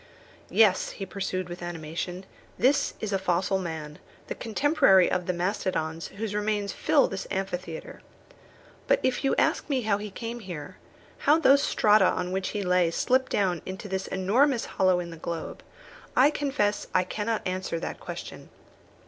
"Yes," he pursued with animation, "this is a fossil man, the contemporary of the mastodons whose remains fill this amphitheatre. But if you ask me how he came there, how those strata on which he lay slipped down into this enormous hollow in the globe, I confess I cannot answer that question.